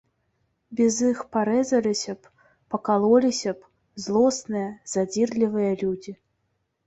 Без іх парэзаліся б, пакалоліся б злосныя, задзірлівыя людзі.